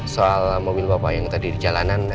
soal mobil bapak yang tadi di jalanan